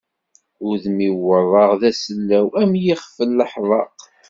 Udem-iw werraɣ d asellaw am yixef n laḥbeq.